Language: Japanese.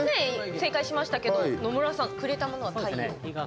正解しましたけど、野村さん「くれたものは太陽」。